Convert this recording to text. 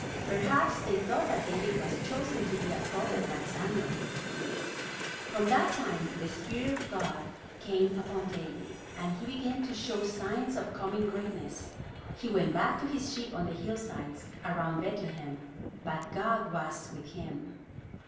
Perhaps they thought that David was chosen to be a prophet like Samuel. From that time the Spirit of God came upon David, and he began to show signs of coming greatness. He went back to his sheep on the hillsides around Bethlehem, but God was with him.